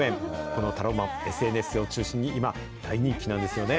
このタローマン、ＳＮＳを中心に今、大人気なんですよね。